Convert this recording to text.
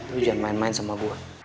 lu jangan main main sama gue